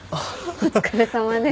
お疲れさまです。